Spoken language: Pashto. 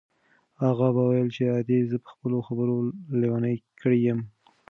اغا به ویل چې ادې زه په خپلو خبرو لېونۍ کړې یم.